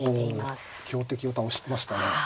お強敵を倒しましたね。